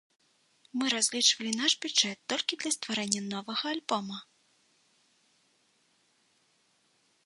Мы разлічвалі наш бюджэт толькі для стварэння новага альбома.